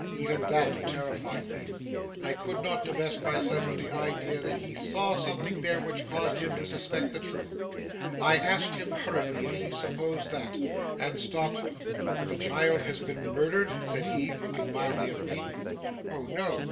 Even that terrified me. I could not divest myself of the idea that he saw something there which caused him to suspect the truth. I asked him hurriedly if he supposed that—and stopped. 'That the child has been murdered?' said he, looking mildly at me: 'O no!